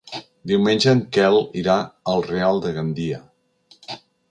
Diumenge en Quel irà al Real de Gandia.